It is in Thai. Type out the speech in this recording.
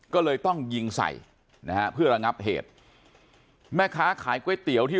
ก็เลยต้องยิงใส่นะฮะเพื่อระงับเหตุแม่ค้าขายก๋วยเตี๋ยวที่